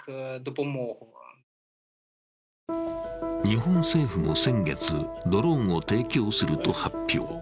日本政府も先月、ドローンを提供すると発表。